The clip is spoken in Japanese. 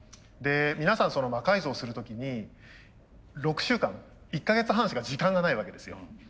皆さん魔改造する時に６週間１か月半しか時間がないわけですよ。